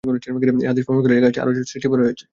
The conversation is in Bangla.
এ হাদীস প্রমাণ করে যে, এ কাজটি আরশ সৃষ্টির পরে হয়েছে।